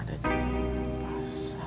nanti aku akan bawa